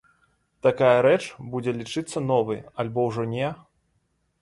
Такая рэч будзе лічыцца новай, альбо ўжо не?